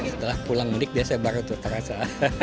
setelah pulang mudik biasanya baru tuh terasa